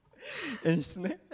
演出ね。